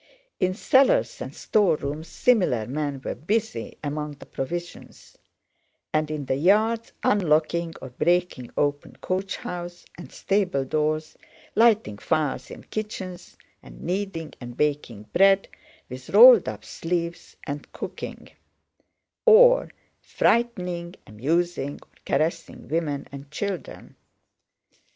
In cellars and storerooms similar men were busy among the provisions, and in the yards unlocking or breaking open coach house and stable doors, lighting fires in kitchens and kneading and baking bread with rolled up sleeves, and cooking; or frightening, amusing, or caressing women and children.